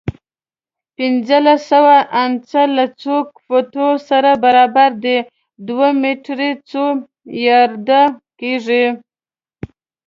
پنځلس سوه انچه له څو فوټو سره برابره ده؟ دوه میټر څو یارډه کېږي؟